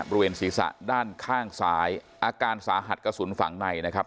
บริเวณศีรษะด้านข้างซ้ายอาการสาหัสกระสุนฝังในนะครับ